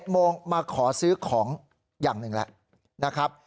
๑๑โมงมาขอซื้อของอย่างนึงแหละนะครับ